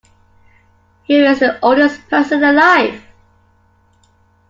Who is the oldest person alive?